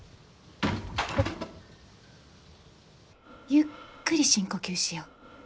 ・ゆっくり深呼吸しよ。